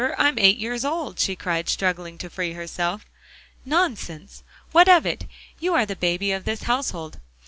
I'm eight years old," she cried, struggling to free herself. "Nonsense! What of it you are the baby of this household."